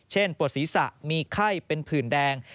ปวดศีรษะมีไข้เป็นผื่นแดง